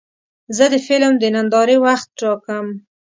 زه د فلم د نندارې وخت ټاکم.